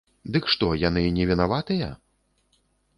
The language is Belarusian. Дык што, яны невінаватыя?